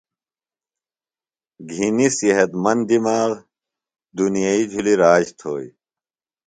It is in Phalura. گھِنیۡ صحت مند دِماغ، دُنیئی جُھلیۡ راج تھوئیۡ